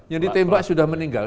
yang ditembak sudah meninggal